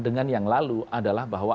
dengan yang lalu adalah bahwa